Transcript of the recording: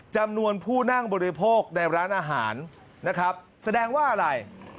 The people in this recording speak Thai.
จำนวนผู้นั่งบริโภคในร้านอาหารนะครับแสดงว่าอะไร